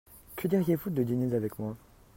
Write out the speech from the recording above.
Que diriez-vous de dîner avec moi ?